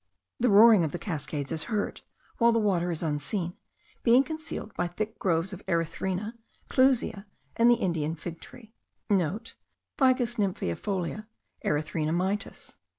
The roaring of the cascades is heard, while the water is unseen, being concealed by thick groves of erythrina, clusia, and the Indian fig tree.* (* Ficus nymphaeifolia, Erythrina mitis.